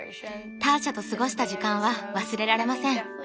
ターシャと過ごした時間は忘れられません。